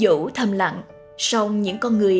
vũ thầm lặng sau những con người